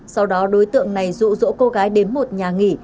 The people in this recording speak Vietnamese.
sau đó đối tượng này rụ rỗ cô gái đến một nhà nghỉ